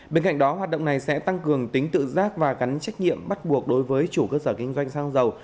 bên cạnh đó hoạt động này sẽ tăng cường tính tự giác và gắn trách nhiệm bắt buộc đối với chủ cơ sở kinh doanh xăng dầu